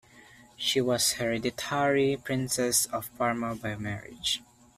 She was Hereditary Princess of Parma by marriage.